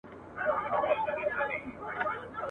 په خوب لیدلی مي توپان وو ما یې زور لیدلی !.